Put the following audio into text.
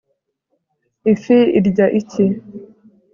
ifi irya iki